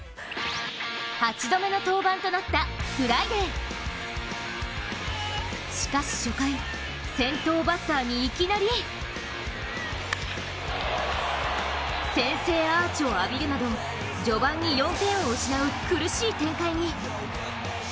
８度目の登板となったフライデーしかし初回、先頭バッターにいきなり先制アーチを浴びるなど序盤に４点を失う苦しい展開に。